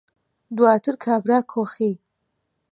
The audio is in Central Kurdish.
دواتر کابرا کۆخی